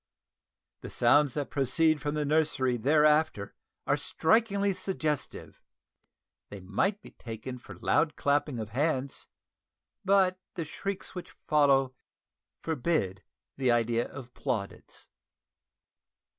The sounds that proceed from the nursery thereafter are strikingly suggestive: they might be taken for loud clapping of hands, but the shrieks which follow forbid the idea of plaudits.